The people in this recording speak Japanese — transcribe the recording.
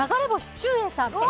ちゅうえいさん